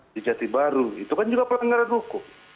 di jati baru itu kan juga pelanggaran hukum